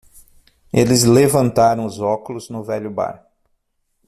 Eles levantaram os óculos no velho bar.